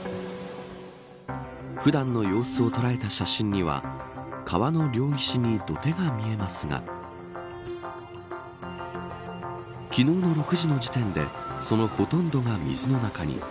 普段の様子を捉えた写真には川の両岸に土手が見えますが昨日の６時の時点でそのほとんどが水の中に。